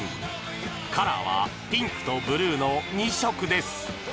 カラーはピンクとブルーの２色です